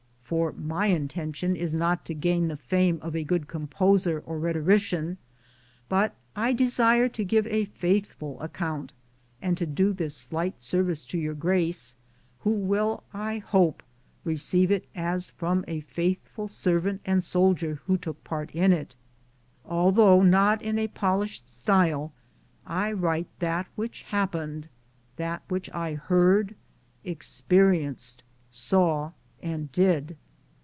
For my intention is not to gain the fame of a good composer or rhetorician, but I desire to give a faithful account and to do this slight service to your grace, who will, I hope, receive it as from a faithful servant and soldier, who took part in it. Although not in a polished style, I write that which happened — that which I heard, experienced, saw, and did.